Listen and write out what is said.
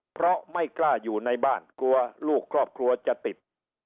เพราะไม่กล้าอยู่ในบ้านกลัวลูกครอบครัวจะติด